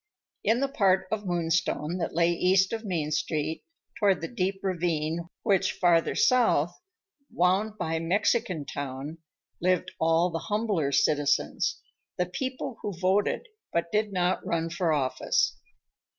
In the part of Moonstone that lay east of Main Street, toward the deep ravine which, farther south, wound by Mexican Town, lived all the humbler citizens, the people who voted but did not run for office.